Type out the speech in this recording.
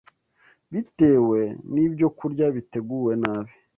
Bitewe n’ibyokurya biteguwe nabi